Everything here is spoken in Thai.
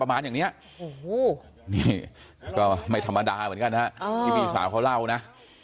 ประมาณอย่างเนี่ยก็ไม่ธรรมดาเหมือนกันนะพี่สาวเขาเล่านะ